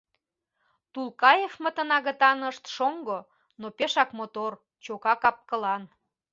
Тулкаевмытын агытанышт шоҥго, но пешак мотор, чока кап-кылан.